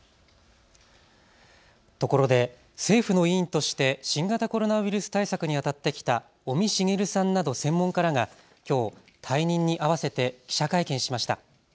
ところで政府の委員として新型コロナウイルス対策にあたってきた尾身茂さんなど専門家らがきょう退任に合わせて記者会見しました。